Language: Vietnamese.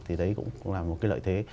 thì đấy cũng là một cái lợi thế